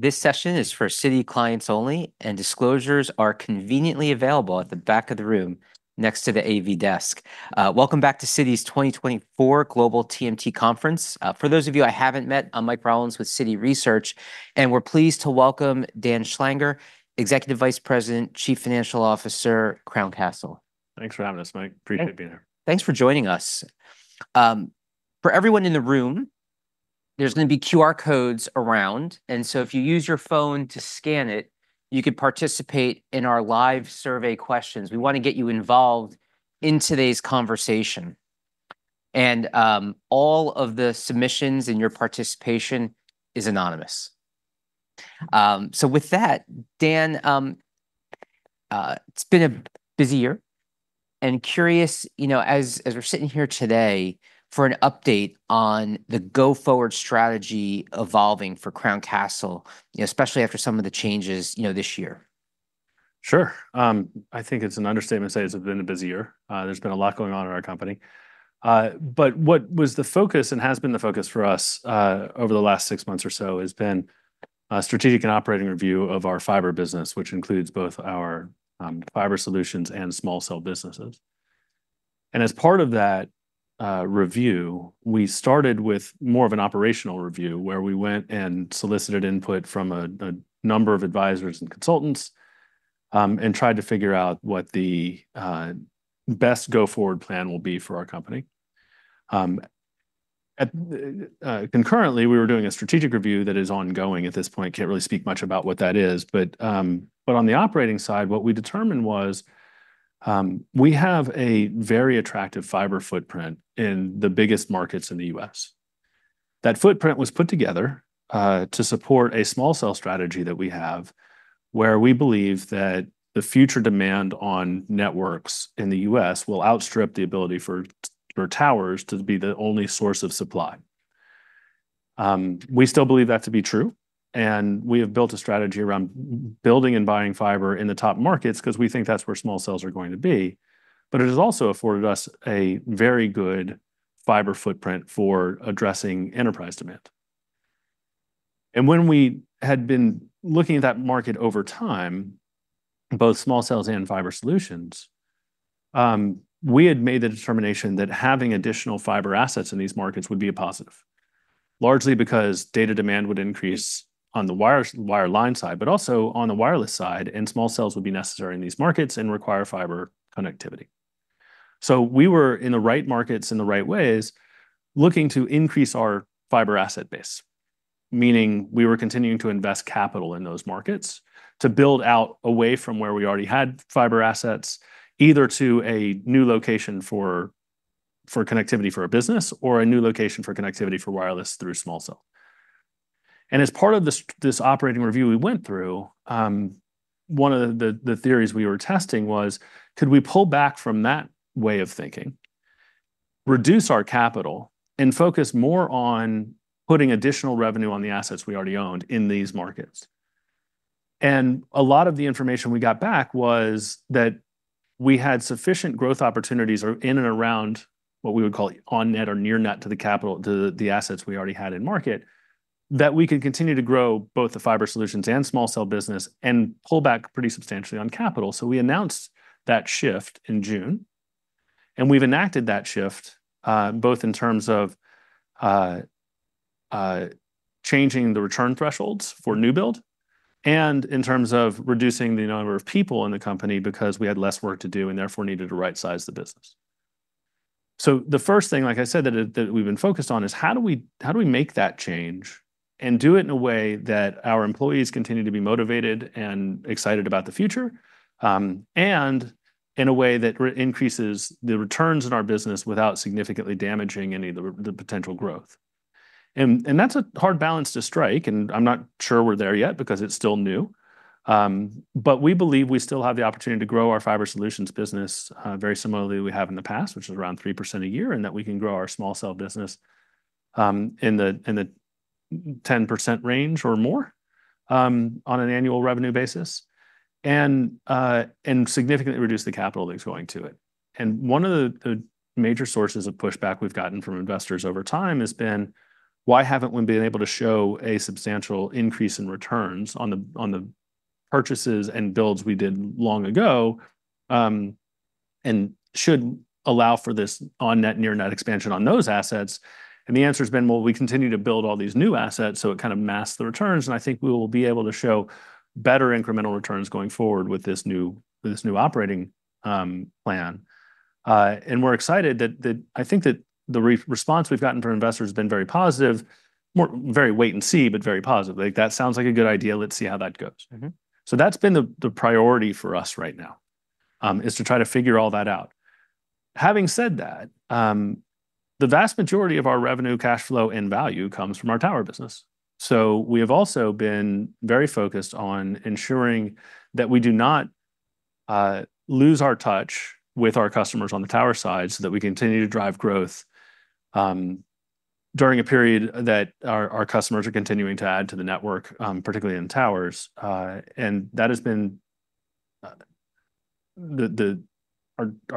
This `session is for Citi clients only, and disclosures are conveniently available at the back of the room next to the AV desk. Welcome back to Citi's 2024 Global TMT Conference. For those of you I haven't met, I'm Mike Rollins with Citi Research, and we're pleased to welcome Dan Schlanger, Executive Vice President, Chief Financial Officer, Crown Castle. Thanks for having us, Mike. Appreciate being here. Thanks for joining us. For everyone in the room, there's gonna be QR codes around, and so if you use your phone to scan it, you can participate in our live survey questions. We wanna get you involved in today's conversation, and all of the submissions and your participation is anonymous. So with that, Dan, it's been a busy year, and curious, you know, as we're sitting here today, for an update on the go-forward strategy evolving for Crown Castle, especially after some of the changes, you know, this year? Sure. I think it's an understatement to say it's been a busy year. There's been a lot going on in our company. But what was the focus and has been the focus for us over the last six months or so has been a strategic and operating review of our fiber business, which includes both our fiber solutions and small cell businesses. And as part of that review, we started with more of an operational review, where we went and solicited input from a number of advisors and consultants and tried to figure out what the best go-forward plan will be for our company. At concurrently, we were doing a strategic review that is ongoing at this point. Can't really speak much about what that is, but on the operating side, what we determined was we have a very attractive fiber footprint in the biggest markets in the U.S. That footprint was put together to support a small cell strategy that we have, where we believe that the future demand on networks in the U.S. will outstrip the ability for towers to be the only source of supply. We still believe that to be true, and we have built a strategy around building and buying fiber in the top markets because we think that's where small cells are going to be, but it has also afforded us a very good fiber footprint for addressing enterprise demand. And when we had been looking at that market over time, both small cells and fiber solutions, we had made the determination that having additional fiber assets in these markets would be a positive. Largely because data demand would increase on the wireline side, but also on the wireless side, and small cells would be necessary in these markets and require fiber connectivity. So we were in the right markets in the right ways, looking to increase our fiber asset base, meaning we were continuing to invest capital in those markets to build out away from where we already had fiber assets, either to a new location for connectivity for a business or a new location for connectivity for wireless through small cell. And as part of this operating review we went through, one of the theories we were testing was: Could we pull back from that way of thinking, reduce our capital, and focus more on putting additional revenue on the assets we already owned in these markets? And a lot of the information we got back was that we had sufficient growth opportunities are in and around what we would call on-net or near-net to the assets we already had in market, that we could continue to grow both the fiber solutions and small cell business and pull back pretty substantially on capital. So we announced that shift in June, and we've enacted that shift, both in terms of changing the return thresholds for new build and in terms of reducing the number of people in the company because we had less work to do and therefore needed to rightsize the business. So the first thing, like I said, that we've been focused on is how do we make that change and do it in a way that our employees continue to be motivated and excited about the future, and in a way that increases the returns in our business without significantly damaging any of the potential growth? And that's a hard balance to strike, and I'm not sure we're there yet because it's still new. But we believe we still have the opportunity to grow our fiber solutions business, very similarly we have in the past, which is around 3% a year, and that we can grow our small cell business, in the 10% range or more, on an annual revenue basis, and significantly reduce the capital that's going to it. And one of the major sources of pushback we've gotten from investors over time has been: Why haven't we been able to show a substantial increase in returns on the purchases and builds we did long ago, and should allow for this on-net, near-net expansion on those assets? And the answer has been, well, we continue to build all these new assets, so it kind of masks the returns, and I think we will be able to show better incremental returns going forward with this new operating plan. And we're excited that I think that the response we've gotten from investors has been very positive, more wait and see, but very positive. Like, "That sounds like a good idea. Let's see how that goes. So that's been the priority for us right now, is to try to figure all that out. Having said that, the vast majority of our revenue, cash flow, and value comes from our tower business. So we have also been very focused on ensuring that we do not lose our touch with our customers on the tower side, so that we continue to drive growth during a period that our customers are continuing to add to the network, particularly in towers. Our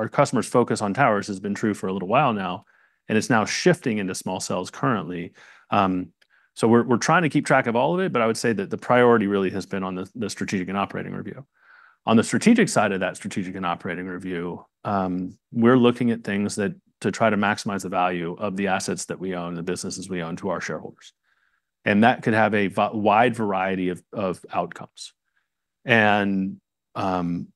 customers' focus on towers has been true for a little while now, and it's now shifting into small cells currently. So we're trying to keep track of all of it, but I would say that the priority really has been on the strategic and operating review. On the strategic side of that strategic and operating review, we're looking at things that to try to maximize the value of the assets that we own, the businesses we own, to our shareholders, and that could have a wide variety of outcomes. The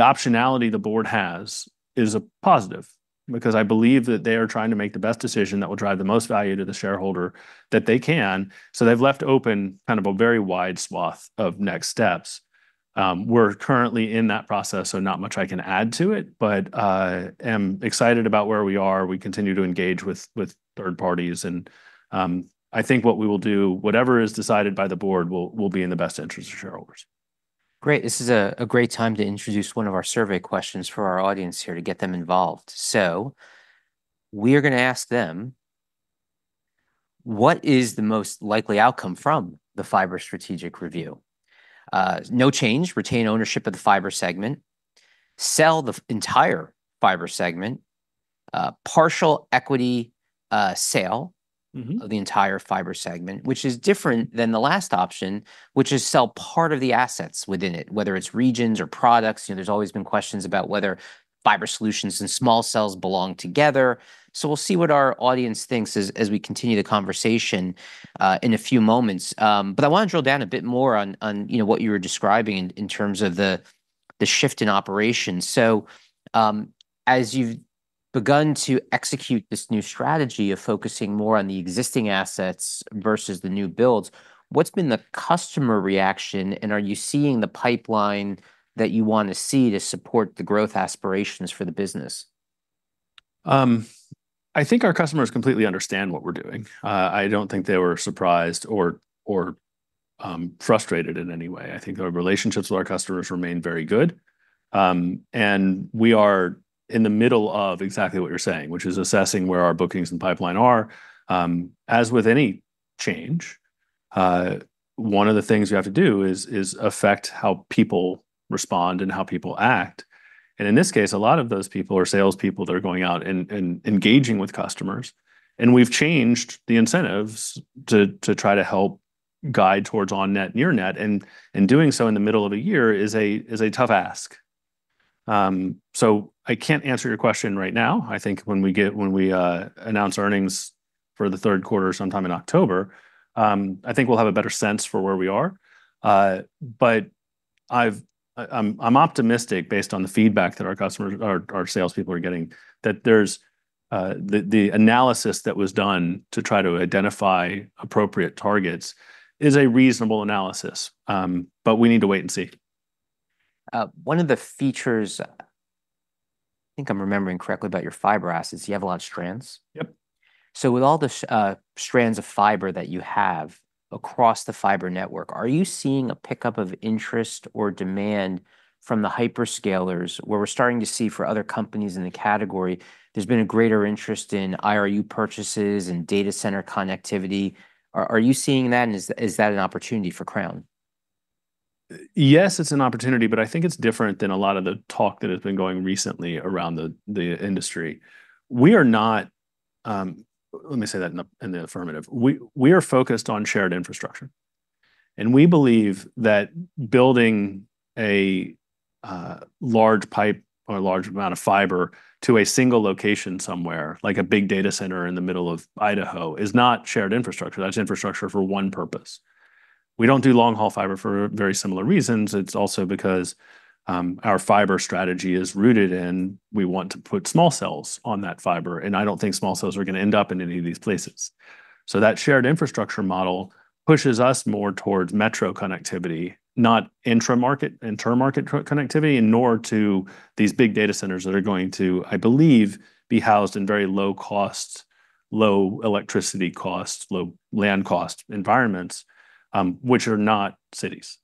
optionality the board has is a positive, because I believe that they are trying to make the best decision that will drive the most value to the shareholder that they can. They've left open kind of a very wide swath of next steps. We're currently in that process, so not much I can add to it, but I am excited about where we are. We continue to engage with third parties, and I think what we will do, whatever is decided by the board, will be in the best interest of shareholders. Great. This is a great time to introduce one of our survey questions for our audience here to get them involved. So we are gonna ask them: What is the most likely outcome from the fiber strategic review? No change, retain ownership of the fiber segment, sell the entire fiber segment, partial equity sale of the entire fiber segment, which is different than the last option, which is sell part of the assets within it, whether it's regions or products. You know, there's always been questions about whether fiber solutions and small cells belong together, so we'll see what our audience thinks as we continue the conversation in a few moments, but I wanna drill down a bit more on you know, what you were describing in terms of the shift in operations, so as you've begun to execute this new strategy of focusing more on the existing assets versus the new builds, what's been the customer reaction, and are you seeing the pipeline that you wanna see to support the growth aspirations for the business? I think our customers completely understand what we're doing. I don't think they were surprised or frustrated in any way. I think our relationships with our customers remain very good. And we are in the middle of exactly what you're saying, which is assessing where our bookings and pipeline are. As with any change, one of the things you have to do is affect how people respond and how people act, and in this case, a lot of those people are salespeople that are going out and engaging with customers. And we've changed the incentives to try to help guide towards on-net, near-net, and doing so in the middle of a year is a tough ask. So I can't answer your question right now. I think when we announce earnings for the third quarter sometime in October, I think we'll have a better sense for where we are, but I'm optimistic, based on the feedback that our customers, our salespeople are getting, that there's the analysis that was done to try to identify appropriate targets is a reasonable analysis, but we need to wait and see. One of the features, I think I'm remembering correctly, about your fiber assets, you have a lot of strands? Yep. So with all the strands of fiber that you have across the fiber network, are you seeing a pickup of interest or demand from the hyperscalers, where we're starting to see for other companies in the category there's been a greater interest in IRU purchases and data center connectivity? Are you seeing that, and is that an opportunity for Crown? Yes, it's an opportunity, but I think it's different than a lot of the talk that has been going recently around the industry. We are not. Let me say that in the affirmative. We are focused on shared infrastructure, and we believe that building a large pipe or a large amount of fiber to a single location somewhere, like a big data center in the middle of Idaho, is not shared infrastructure. That's infrastructure for one purpose. We don't do long-haul fiber for very similar reasons. It's also because our fiber strategy is rooted in, we want to put small cells on that fiber, and I don't think small cells are gonna end up in any of these places. So that shared infrastructure model pushes us more towards metro connectivity, not intra-market, inter-market connectivity, nor to these big data centers that are going to, I believe, be housed in very low-cost, low electricity cost, low land cost environments, which are not cities.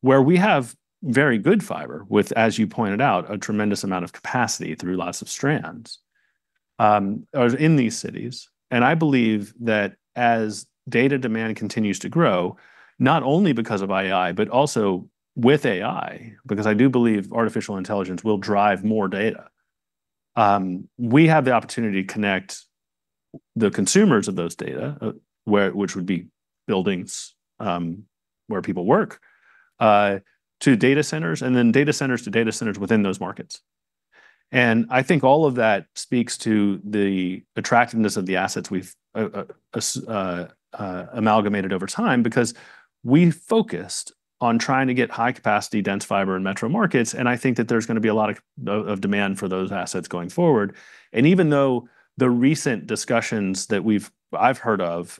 Where we have very good fiber with, as you pointed out, a tremendous amount of capacity through lots of strands, are in these cities. And I believe that as data demand continues to grow, not only because of AI, but also with AI, because I do believe artificial intelligence will drive more data, we have the opportunity to connect the consumers of those data, which would be buildings, where people work, to data centers, and then data centers to data centers within those markets. And I think all of that speaks to the attractiveness of the assets we've amalgamated over time, because we focused on trying to get high-capacity, dense fiber in metro markets, and I think that there's gonna be a lot of demand for those assets going forward. And even though the recent discussions that I've heard of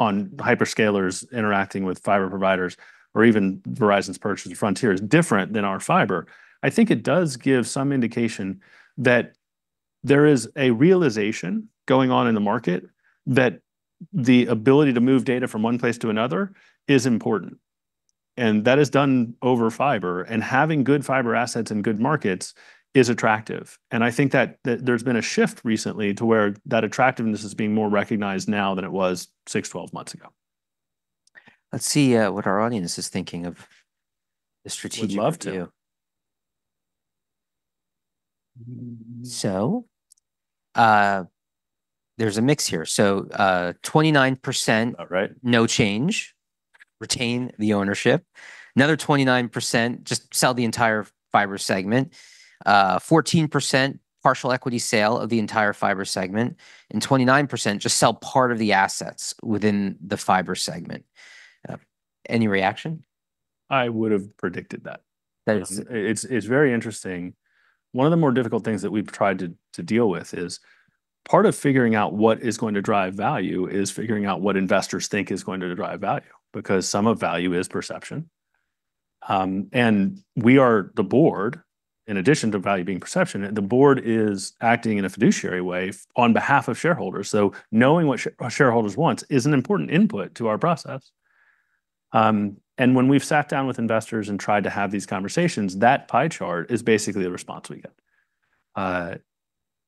on hyperscalers interacting with fiber providers, or even Verizon's purchase of Frontier, is different than our fiber, I think it does give some indication that there is a realization going on in the market that the ability to move data from one place to another is important, and that is done over fiber, and having good fiber assets in good markets is attractive. I think that there's been a shift recently to where that attractiveness is being more recognized now than it was six, 12 months ago. Let's see, what our audience is thinking of the strategic review.... So, there's a mix here. So, 29%- All right -no change, retain the ownership. Another 29%, just sell the entire fiber segment. 14%, partial equity sale of the entire fiber segment, and 29%, just sell part of the assets within the fiber segment. Any reaction? I would've predicted that. That is- It's very interesting. One of the more difficult things that we've tried to deal with is part of figuring out what is going to drive value is figuring out what investors think is going to drive value, because some of value is perception, and we are the board, in addition to value being perception, the board is acting in a fiduciary way on behalf of shareholders. So knowing what shareholders want is an important input to our process, and when we've sat down with investors and tried to have these conversations, that pie chart is basically the response we get.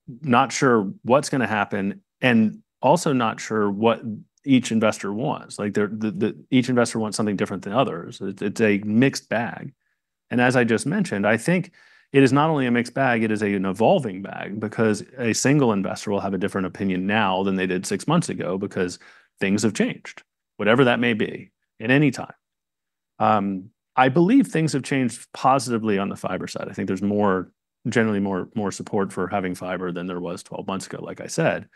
Not sure what's gonna happen, and also not sure what each investor wants. Like, each investor wants something different than others. It's a mixed bag, and as I just mentioned, I think it is not only a mixed bag, it is an evolving bag because a single investor will have a different opinion now than they did six months ago because things have changed, whatever that may be, at any time. I believe things have changed positively on the fiber side. I think there's generally more support for having fiber than there was 12 months ago, like I said.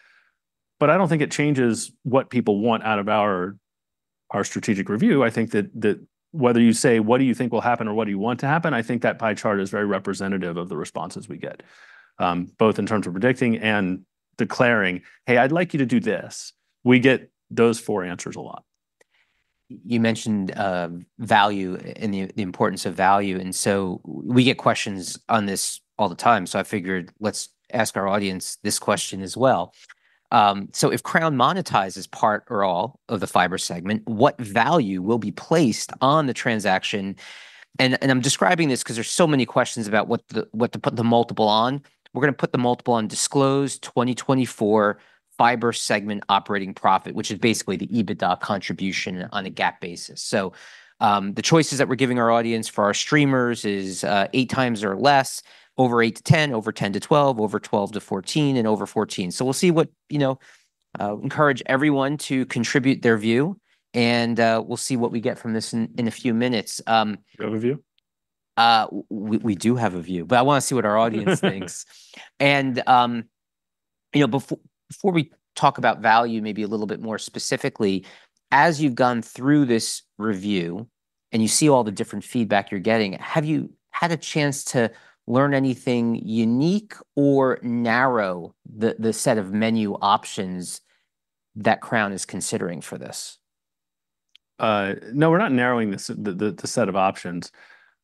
But I don't think it changes what people want out of our strategic review. I think that, that whether you say, "What do you think will happen?" or, "What do you want to happen?" I think that pie chart is very representative of the responses we get, both in terms of predicting and declaring, "Hey, I'd like you to do this." We get those four answers a lot. You mentioned value and the importance of value, and so we get questions on this all the time. So I figured let's ask our audience this question as well. So if Crown monetizes part or all of the fiber segment, what value will be placed on the transaction? And I'm describing this 'cause there's so many questions about what to put the multiple on. We're gonna put the multiple on disclosed 2024 fiber segment operating profit, which is basically the EBITDA contribution on a GAAP basis. So the choices that we're giving our audience for our streamers is eight times or less, over eight to 10, over 10 to 12, over 12 to 14, and over 14. So we'll see what...You know, encourage everyone to contribute their view, and we'll see what we get from this in a few minutes. Do you have a view? We do have a view, but I wanna see what our audience thinks. You know, before we talk about value, maybe a little bit more specifically, as you've gone through this review and you see all the different feedback you're getting, have you had a chance to learn anything unique or narrow the set of menu options that Crown is considering for this? No, we're not narrowing the set of options.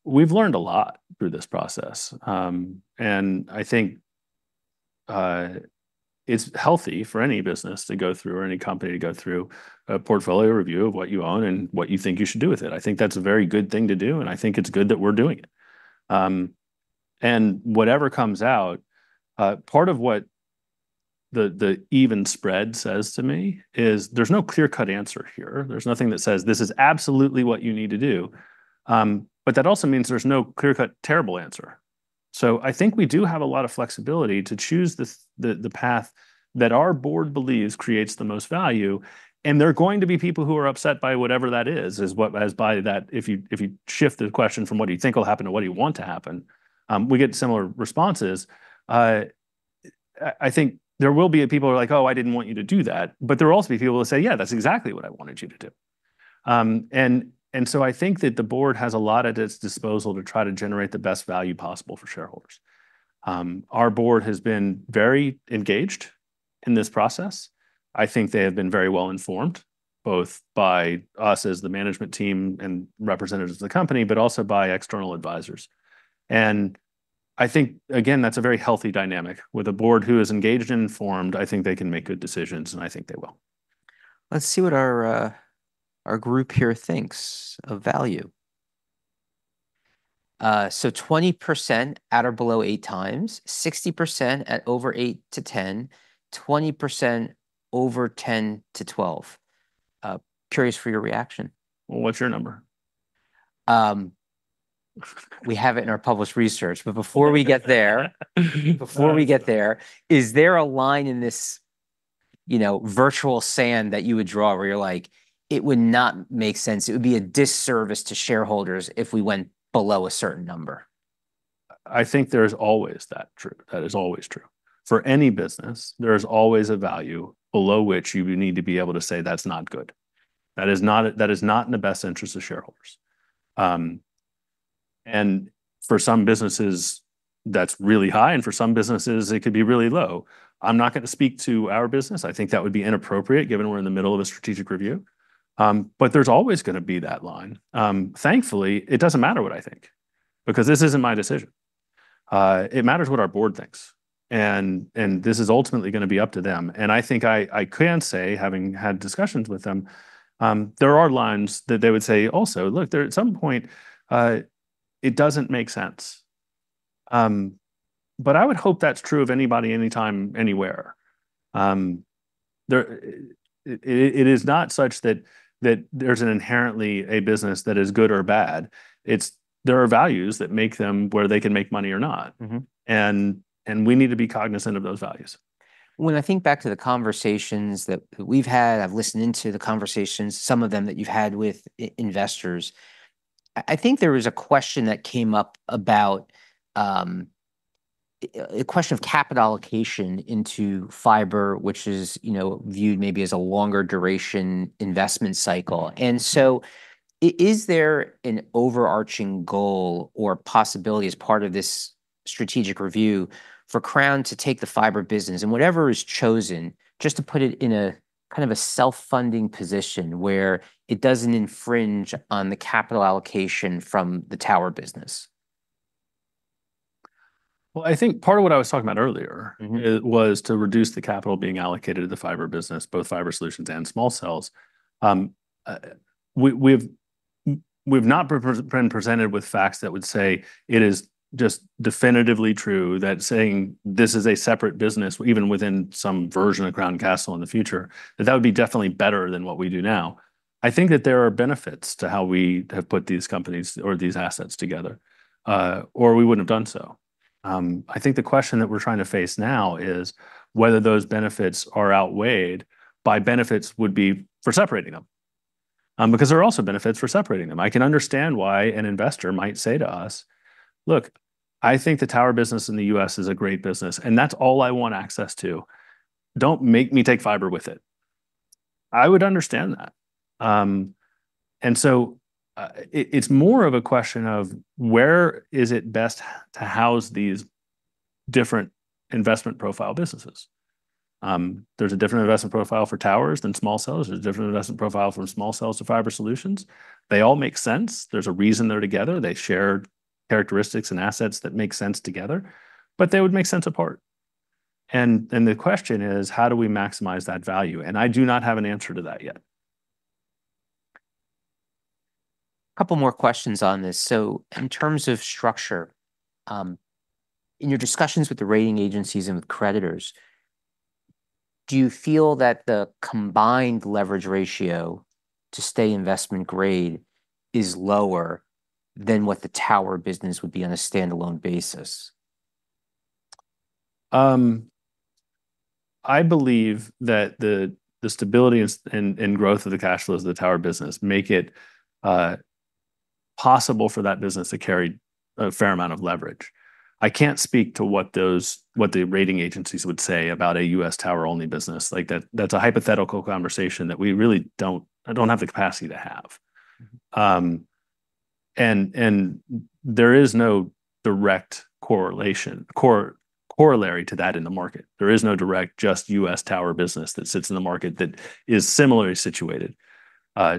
We've learned a lot through this process. And I think it's healthy for any business to go through, or any company to go through a portfolio review of what you own and what you think you should do with it. I think that's a very good thing to do, and I think it's good that we're doing it. And whatever comes out, part of what the even spread says to me is there's no clear-cut answer here. There's nothing that says, "This is absolutely what you need to do." But that also means there's no clear-cut, terrible answer. So I think we do have a lot of flexibility to choose the path that our board believes creates the most value, and there are going to be people who are upset by whatever that is, is what as by that. If you shift the question from "What do you think will happen?" to "What do you want to happen?" we get similar responses. I think there will be people who are like "Oh, I didn't want you to do that," but there will also be people who say "Yeah, that's exactly what I wanted you to do." And so I think that the board has a lot at its disposal to try to generate the best value possible for shareholders. Our board has been very engaged in this process. I think they have been very well informed, both by us as the management team and representatives of the company, but also by external advisers, and I think, again, that's a very healthy dynamic. With a board who is engaged and informed, I think they can make good decisions, and I think they will. Let's see what our group here thinks of value. So 20% at or below 8x, 60% at over 8%-10%, 20% over 10%-12%. Curious for your reaction. What's your number? We have it in our published research, but before we get there, is there a line in this, you know, virtual sand that you would draw, where you're like, "It would not make sense, it would be a disservice to shareholders if we went below a certain number? I think there's always that truth. That is always true. For any business, there is always a value below which you would need to be able to say, "That's not good. That is not in the best interest of shareholders." And for some businesses, that's really high, and for some businesses, it could be really low. I'm not gonna speak to our business. I think that would be inappropriate, given we're in the middle of a strategic review. But there's always gonna be that line. Thankfully, it doesn't matter what I think, because this isn't my decision. It matters what our board thinks, and this is ultimately gonna be up to them. And I think I can say, having had discussions with them, there are lines that they would say also, "Look, there at some point, it doesn't make sense." But I would hope that's true of anybody, anytime, anywhere. There, it is not such that, that there's inherently a business that is good or bad. It's there are values that make them where they can make money or not. We need to be cognizant of those values. When I think back to the conversations that we've had, I've listened in to the conversations, some of them that you've had with investors, I think there was a question that came up about a question of capital allocation into fiber, which is, you know, viewed maybe as a longer duration investment cycle. Is there an overarching goal or possibility as part of this strategic review for Crown to take the fiber business, and whatever is chosen, just to put it in a kind of a self-funding position, where it doesn't infringe on the capital allocation from the tower business? I think part of what I was talking about earlier was to reduce the capital being allocated to the fiber business, both fiber solutions and small cells. We've not been presented with facts that would say it is just definitively true that saying this is a separate business, even within some version of Crown Castle in the future, that that would be definitely better than what we do now. I think that there are benefits to how we have put these companies or these assets together, or we wouldn't have done so. I think the question that we're trying to face now is whether those benefits are outweighed by benefits would be for separating them. Because there are also benefits for separating them. I can understand why an investor might say to us, "Look, I think the tower business in the U.S. is a great business, and that's all I want access to. Don't make me take fiber with it." I would understand that. And so, it's more of a question of, where is it best to house these different investment profile businesses? There's a different investment profile for towers than small cells. There's a different investment profile from small cells to fiber solutions. They all make sense. There's a reason they're together. They share characteristics and assets that make sense together, but they would make sense apart. And the question is: How do we maximize that value? And I do not have an answer to that yet. A couple more questions on this. So in terms of structure, in your discussions with the rating agencies and with creditors, do you feel that the combined leverage ratio to stay investment grade is lower than what the tower business would be on a standalone basis? I believe that the stability and growth of the cash flows of the tower business make it possible for that business to carry a fair amount of leverage. I can't speak to what the rating agencies would say about a U.S. tower-only business. Like, that's a hypothetical conversation that we really don't have the capacity to have. There is no direct correlation, corollary to that in the market. There is no direct just U.S. tower business that sits in the market that is similarly situated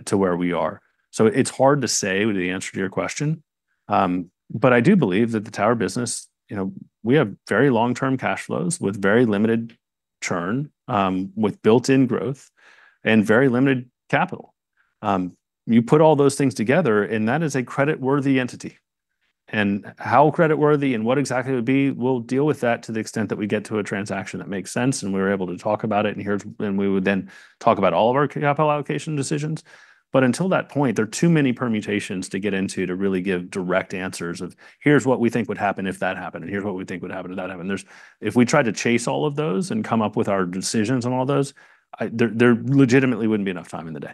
to where we are. So it's hard to say the answer to your question, but I do believe that the tower business, you know, we have very long-term cash flows with very limited churn, with built-in growth and very limited capital. You put all those things together, and that is a creditworthy entity. And how creditworthy and what exactly it would be, we'll deal with that to the extent that we get to a transaction that makes sense, and we're able to talk about it, and we would then talk about all of our capital allocation decisions. But until that point, there are too many permutations to get into to really give direct answers of, "Here's what we think would happen if that happened, and here's what we think would happen if that happened." There's, if we tried to chase all of those and come up with our decisions on all those, there legitimately wouldn't be enough time in the day.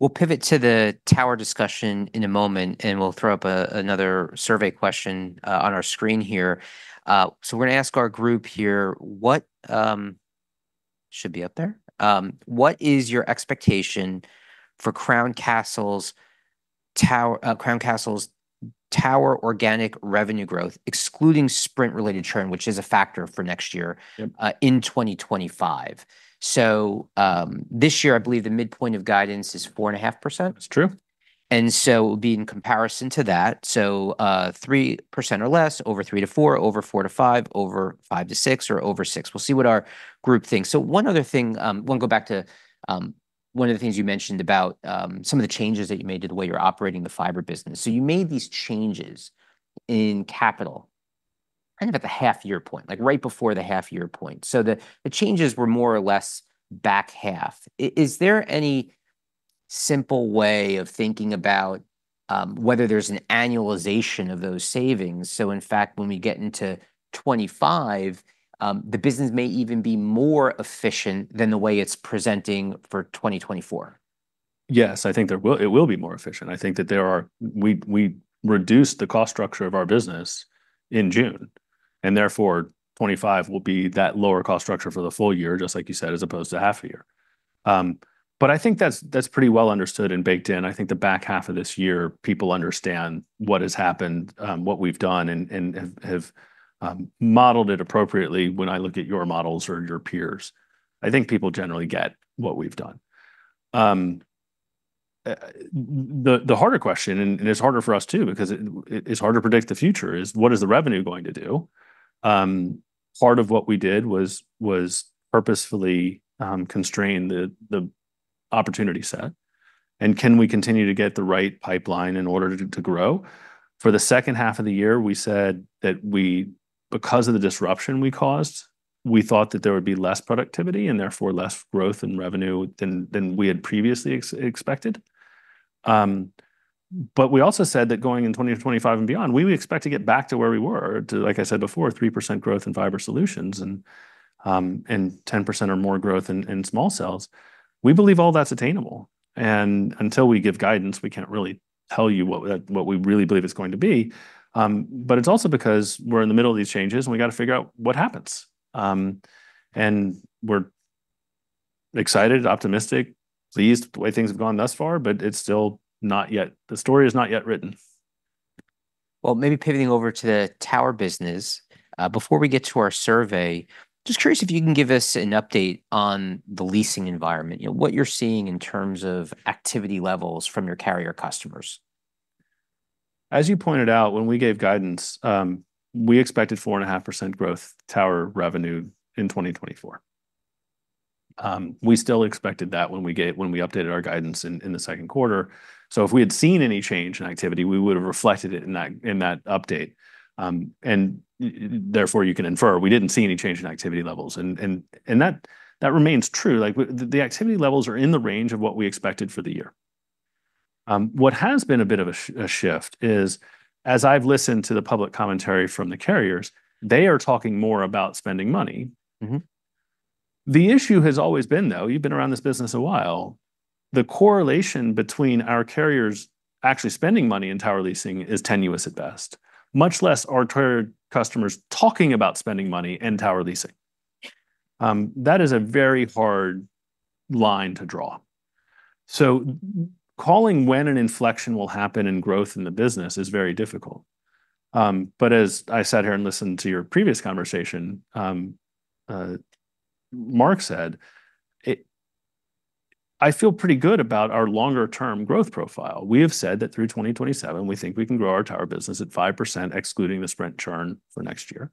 We'll pivot to the tower discussion in a moment, and we'll throw up another survey question on our screen here. So we're gonna ask our group here, what... It should be up there. What is your expectation for Crown Castle's tower organic revenue growth, excluding Sprint-related churn, which is a factor for next year in 2025. So, this year, I believe the midpoint of guidance is 4.5%? That's true. And so it would be in comparison to that. So, 3% or less, over 3%-4%, over 4%-5%, over 5%-6%, or over 6%. We'll see what our group thinks. So one other thing, I want to go back to, one of the things you mentioned about, some of the changes that you made to the way you're operating the fiber business. So you made these changes in capital, kind of at the half-year point, like, right before the half-year point. So the changes were more or less back half. Is there any simple way of thinking about, whether there's an annualization of those savings, so in fact, when we get into 2025, the business may even be more efficient than the way it's presenting for 2024? Yes, I think it will be more efficient. I think we reduced the cost structure of our business in June, and therefore, 2025 will be that lower cost structure for the full year, just like you said, as opposed to half a year. But I think that's pretty well understood and baked in. I think the back half of this year, people understand what has happened, what we've done, and have modeled it appropriately when I look at your models or your peers. I think people generally get what we've done. The harder question, and it's harder for us too, because it's hard to predict the future, is what is the revenue going to do? Part of what we did was purposefully constrain the opportunity set, and can we continue to get the right pipeline in order to grow? For the second half of the year, we said that we, because of the disruption we caused, we thought that there would be less productivity and therefore less growth in revenue than we had previously expected. But we also said that going in 2020-2025 and beyond, we would expect to get back to where we were, like I said before, 3% growth in fiber solutions and 10% or more growth in small cells. We believe all that's attainable, and until we give guidance, we can't really tell you what we really believe it's going to be. But it's also because we're in the middle of these changes, and we've got to figure out what happens, and we're excited, optimistic, pleased the way things have gone thus far, but it's still not yet, the story is not yet written. Maybe pivoting over to the tower business, before we get to our survey, just curious if you can give us an update on the leasing environment. You know, what you're seeing in terms of activity levels from your carrier customers. As you pointed out, when we gave guidance, we expected 4.5% growth tower revenue in 2024. We still expected that when we updated our guidance in the second quarter. So if we had seen any change in activity, we would've reflected it in that update. And therefore, you can infer we didn't see any change in activity levels, and that remains true. Like, the activity levels are in the range of what we expected for the year. What has been a bit of a shift is, as I've listened to the public commentary from the carriers, they are talking more about spending money. The issue has always been, though, you've been around this business a while, the correlation between our carriers actually spending money in tower leasing is tenuous at best, much less our tower customers talking about spending money in tower leasing. That is a very hard line to draw. So calling when an inflection will happen in growth in the business is very difficult. But as I sat here and listened to your previous conversation, Marc said it. I feel pretty good about our longer term growth profile. We have said that through 2027, we think we can grow our tower business at 5%, excluding the Sprint churn for next year.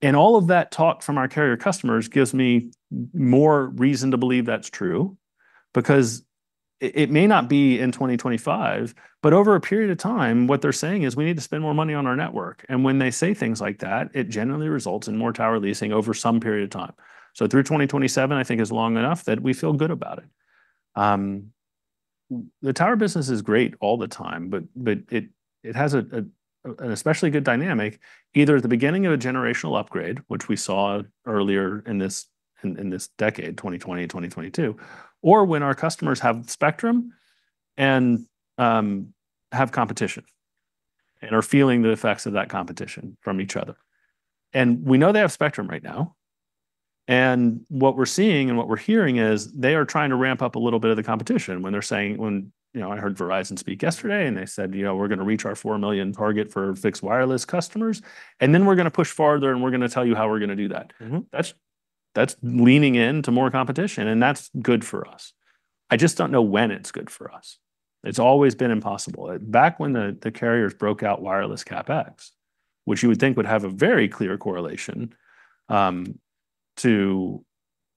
And all of that talk from our carrier customers gives me more reason to believe that's true, because it may not be in 2025, but over a period of time, what they're saying is: "We need to spend more money on our network." And when they say things like that, it generally results in more tower leasing over some period of time. So through 2027, I think, is long enough that we feel good about it. The tower business is great all the time, but it has an especially good dynamic, either at the beginning of a generational upgrade, which we saw earlier in this decade, 2020, 2022, or when our customers have spectrum and have competition and are feeling the effects of that competition from each other. We know they have spectrum right now, and what we're seeing and what we're hearing is they are trying to ramp up a little bit of the competition when they're saying, you know, I heard Verizon speak yesterday, and they said: "You know, we're gonna reach our 4 million target for fixed wireless customers, and then we're gonna push farther, and we're gonna tell you how we're gonna do that. That's leaning into more competition, and that's good for us. I just don't know when it's good for us. It's always been impossible. Back when the carriers broke out wireless CapEx, which you would think would have a very clear correlation to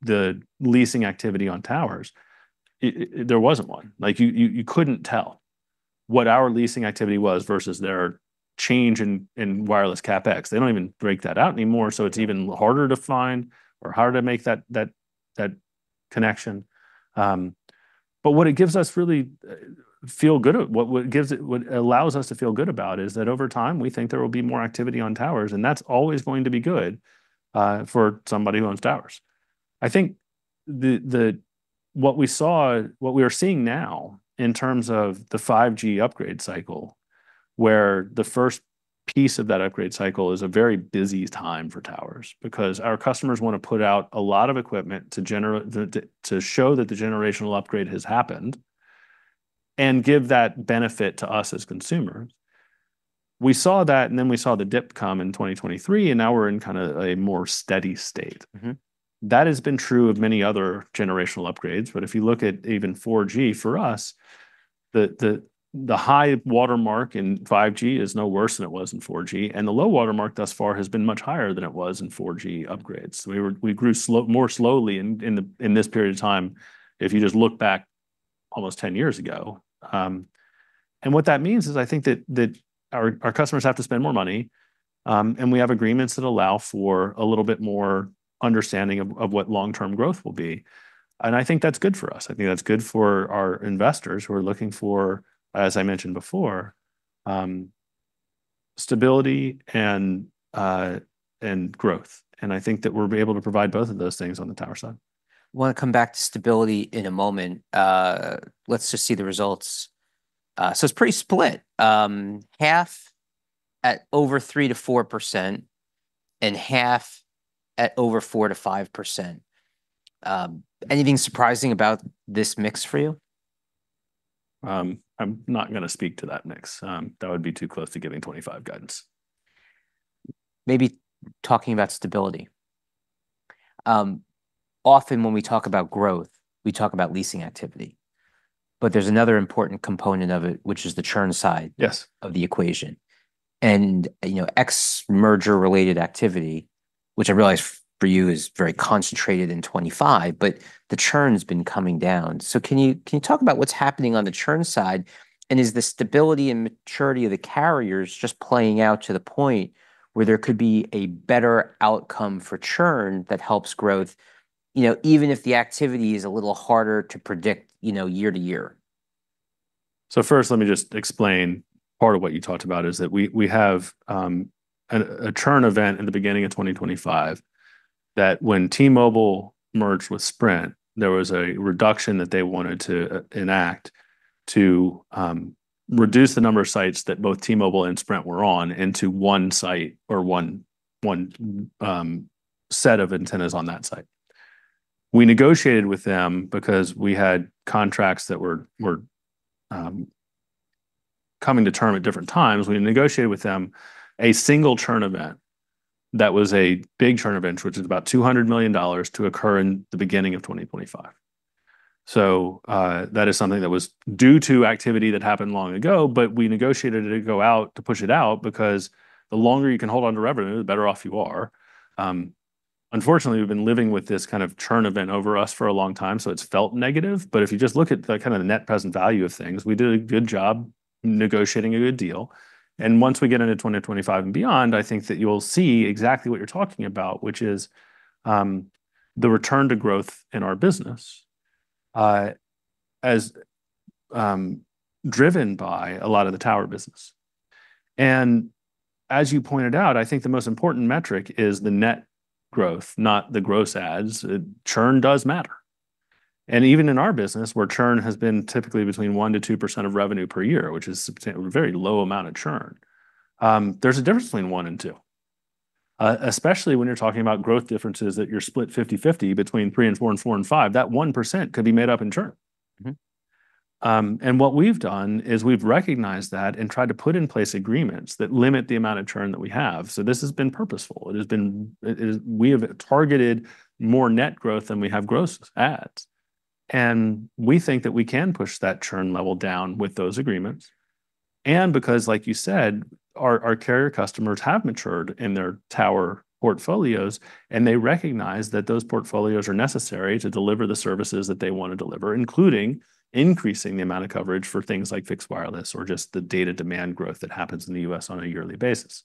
the leasing activity on towers, there wasn't one. Like, you couldn't tell what our leasing activity was versus their change in wireless CapEx. They don't even break that out anymore, so it's even harder to find or harder to make that connection. But what allows us to feel good about is that over time, we think there will be more activity on towers, and that's always going to be good for somebody who owns towers. I think what we are seeing now in terms of the 5G upgrade cycle, where the first piece of that upgrade cycle is a very busy time for towers because our customers want to put out a lot of equipment to show that the generational upgrade has happened and give that benefit to us as consumers. We saw that, and then we saw the dip come in 2023, and now we're in kind of a more steady state. That has been true of many other generational upgrades, but if you look at even 4G, for us, the high water mark in 5G is no worse than it was in 4G, and the low water mark thus far has been much higher than it was in 4G upgrades. We grew more slowly in this period of time if you just look back almost ten years ago, and what that means is, I think that our customers have to spend more money, and we have agreements that allow for a little bit more understanding of what long-term growth will be, and I think that's good for us. I think that's good for our investors who are looking for, as I mentioned before, stability and growth.I think that we'll be able to provide both of those things on the tower side. I want to come back to stability in a moment. Let's just see the results. So it's pretty split. Half at over 3%-4% and half at over 4%-5%. Anything surprising about this mix for you? I'm not gonna speak to that mix. That would be too close to giving 2025 guidance. Maybe talking about stability. Often when we talk about growth, we talk about leasing activity... but there's another important component of it, which is the churn side- Yes of the equation. And, you know, ex merger-related activity, which I realize for you is very concentrated in 2025, but the churn's been coming down. So can you talk about what's happening on the churn side, and is the stability and maturity of the carriers just playing out to the point where there could be a better outcome for churn that helps growth, you know, even if the activity is a little harder to predict, you know, year to year? So first, let me just explain. Part of what you talked about is that we have a churn event in the beginning of 2025, that when T-Mobile merged with Sprint, there was a reduction that they wanted to enact to reduce the number of sites that both T-Mobile and Sprint were on into one site or one set of antennas on that site. We negotiated with them because we had contracts that were coming to term at different times. We negotiated with them a single churn event that was a big churn event, which is about $200 million to occur in the beginning of 2025. So, that is something that was due to activity that happened long ago, but we negotiated it to go out, to push it out, because the longer you can hold on to revenue, the better off you are. Unfortunately, we've been living with this kind of churn event over us for a long time, so it's felt negative. But if you just look at the kind of net present value of things, we did a good job negotiating a good deal. And once we get into 2025 and beyond, I think that you'll see exactly what you're talking about, which is, the return to growth in our business, as driven by a lot of the tower business. And as you pointed out, I think the most important metric is the net growth, not the gross adds. Churn does matter. Even in our business, where churn has been typically between 1%-2% of revenue per year, which is such a very low amount of churn, there's a difference between 1% and 2%. Especially when you're talking about growth differences, that you're split fifty-fifty between 3% and 4%, and 4% and 5%, that 1% could be made up in churn. And what we've done is we've recognized that and tried to put in place agreements that limit the amount of churn that we have. So this has been purposeful. It is. We have targeted more net growth than we have gross adds, and we think that we can push that churn level down with those agreements. Because, like you said, our carrier customers have matured in their tower portfolios, and they recognize that those portfolios are necessary to deliver the services that they want to deliver, including increasing the amount of coverage for things like fixed wireless or just the data demand growth that happens in the U.S. on a yearly basis.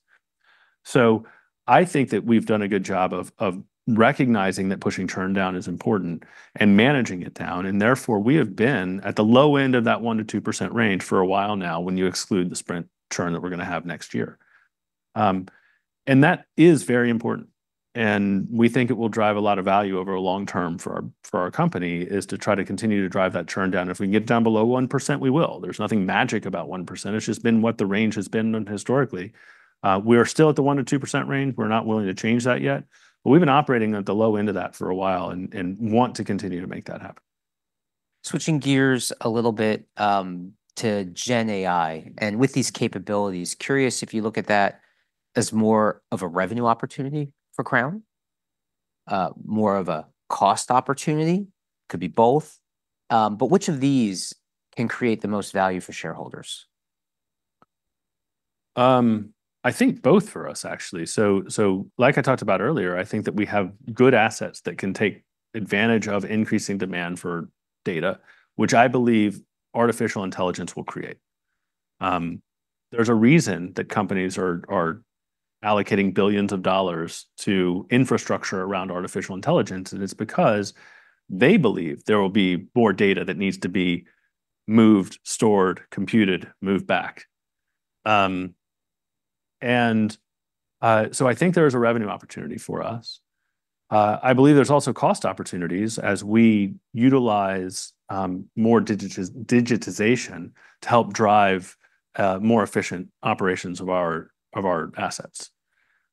I think that we've done a good job of recognizing that pushing churn down is important and managing it down, and therefore, we have been at the low end of that 1%-2% range for a while now, when you exclude the Sprint churn that we're going to have next year. That is very important, and we think it will drive a lot of value over a long term for our company is to try to continue to drive that churn down. If we can get it down below 1%, we will. There's nothing magic about 1%. It's just been what the range has been historically. We are still at the 1%-2% range. We're not willing to change that yet, but we've been operating at the low end of that for a while and want to continue to make that happen. Switching gears a little bit, to GenAI, and with these capabilities, curious if you look at that as more of a revenue opportunity for Crown, more of a cost opportunity? Could be both. But which of these can create the most value for shareholders? I think both for us, actually, so like I talked about earlier, I think that we have good assets that can take advantage of increasing demand for data, which I believe artificial intelligence will create. There's a reason that companies are allocating billions of dollars to infrastructure around artificial intelligence, and it's because they believe there will be more data that needs to be moved, stored, computed, moved back, and so I think there is a revenue opportunity for us. I believe there's also cost opportunities as we utilize more digitization to help drive more efficient operations of our assets.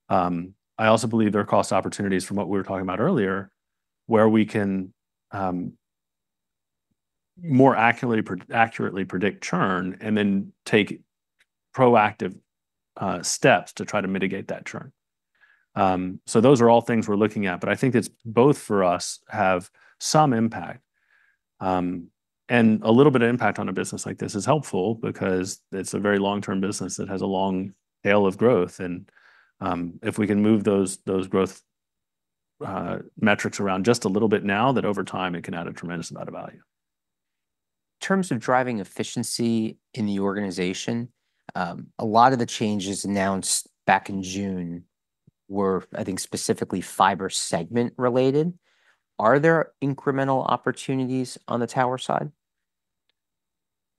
I also believe there are cost opportunities from what we were talking about earlier, where we can more accurately predict churn and then take proactive steps to try to mitigate that churn. So those are all things we're looking at, but I think it's both for us have some impact, and a little bit of impact on a business like this is helpful because it's a very long-term business that has a long tail of growth, and if we can move those growth metrics around just a little bit now, that over time it can add a tremendous amount of value. In terms of driving efficiency in the organization, a lot of the changes announced back in June were, I think, specifically fiber segment related. Are there incremental opportunities on the tower side?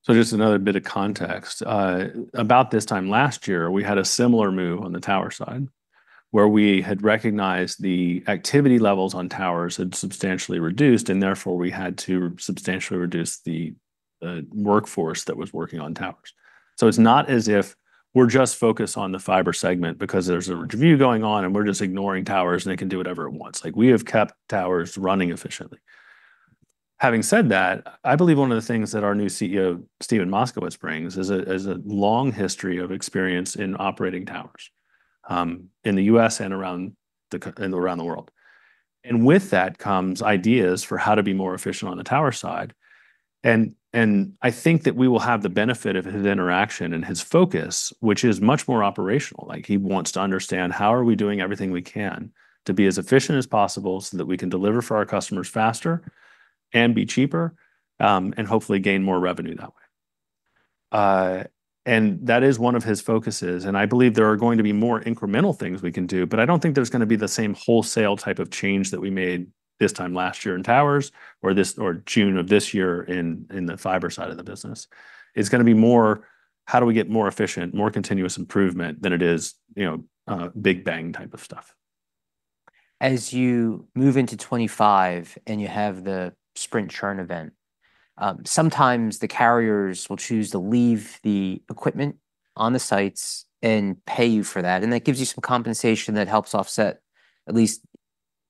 Just another bit of context. About this time last year, we had a similar move on the tower side, where we had recognized the activity levels on towers had substantially reduced, and therefore, we had to substantially reduce the workforce that was working on towers. It's not as if we're just focused on the fiber segment because there's a review going on and we're just ignoring towers, and they can do whatever it wants. Like, we have kept towers running efficiently. Having said that, I believe one of the things that our new CEO, Steven Moskowitz, brings is a long history of experience in operating towers in the U.S. and around the world. And with that comes ideas for how to be more efficient on the tower side, and I think that we will have the benefit of his interaction and his focus, which is much more operational. Like, he wants to understand, how are we doing everything we can to be as efficient as possible so that we can deliver for our customers faster and be cheaper, and hopefully gain more revenue that way? And that is one of his focuses, and I believe there are going to be more incremental things we can do, but I don't think there's gonna be the same wholesale type of change that we made this time last year in towers or June of this year in the fiber side of the business. It's gonna be more, how do we get more efficient, more continuous improvement, than it is, you know, big bang type of stuff. As you move into 2025 and you have the Sprint churn event, sometimes the carriers will choose to leave the equipment on the sites and pay you for that, and that gives you some compensation that helps offset, at least in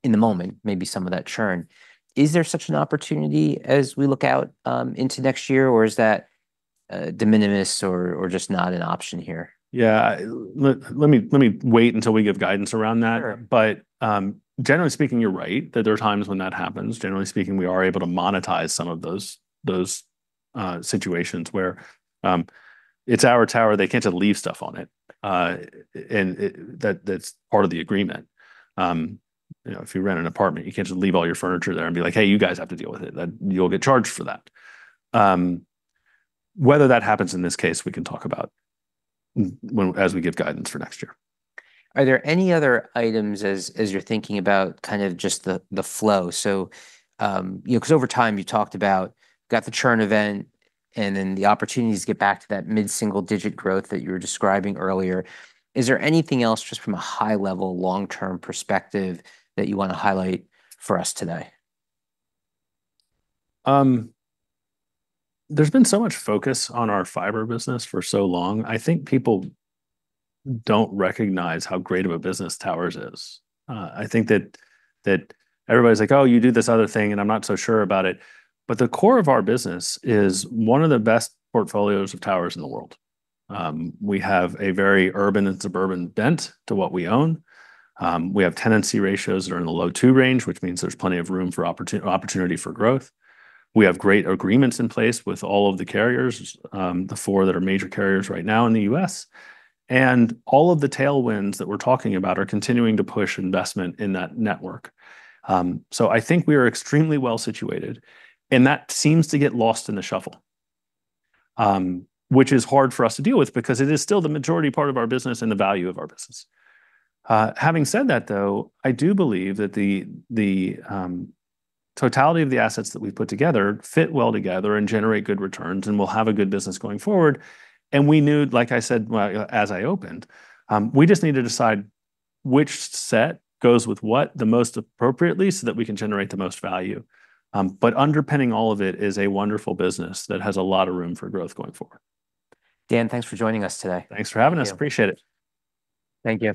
the moment, maybe some of that churn. Is there such an opportunity as we look out into next year, or is that de minimis or just not an option here? Yeah, let me wait until we give guidance around that. Sure. But, generally speaking, you're right that there are times when that happens. Generally speaking, we are able to monetize some of those situations, where it's our tower, they can't just leave stuff on it. And that's part of the agreement. You know, if you rent an apartment, you can't just leave all your furniture there and be like: "Hey, you guys have to deal with it." You'll get charged for that. Whether that happens in this case, we can talk about as we give guidance for next year. Are there any other items as you're thinking about kind of just the flow? So, you know, 'cause over time, you talked about got the churn event, and then the opportunities to get back to that mid-single-digit growth that you were describing earlier. Is there anything else, just from a high-level, long-term perspective, that you want to highlight for us today? There's been so much focus on our fiber business for so long, I think people don't recognize how great of a business towers is. I think that everybody's like: "Oh, you do this other thing, and I'm not so sure about it." But the core of our business is one of the best portfolios of towers in the world. We have a very urban and suburban bent to what we own. We have tenancy ratios that are in the low two range, which means there's plenty of room for opportunity for growth. We have great agreements in place with all of the carriers, the four that are major carriers right now in the U.S., and all of the tailwinds that we're talking about are continuing to push investment in that network. So I think we are extremely well situated, and that seems to get lost in the shuffle, which is hard for us to deal with because it is still the majority part of our business and the value of our business. Having said that, though, I do believe that the totality of the assets that we've put together fit well together and generate good returns, and we'll have a good business going forward. And we knew, like I said, well, as I opened, we just need to decide which set goes with what the most appropriately so that we can generate the most value. But underpinning all of it is a wonderful business that has a lot of room for growth going forward. Dan, thanks for joining us today. Thanks for having us. Thank you. Appreciate it. Thank you.